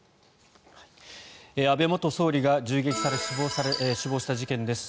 安倍元総理が銃撃され死亡した事件です。